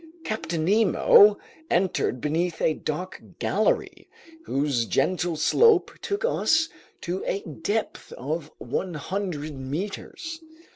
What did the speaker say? Captain Nemo entered beneath a dark gallery whose gentle slope took us to a depth of 100 meters.